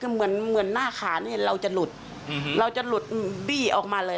คือเหมือนเหมือนหน้าขาเนี่ยเราจะหลุดเราจะหลุดบี้ออกมาเลย